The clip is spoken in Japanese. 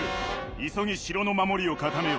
急ぎ城の守りを固めよ。